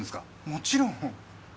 もちろん。